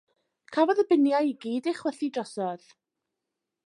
Cafodd y biniau i gyd eu chwythu drosodd.